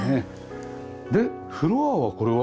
でフロアはこれは？